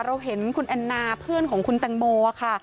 เราเห็นคุณแอนนาเพื่อนของคุณแตงโมค่ะ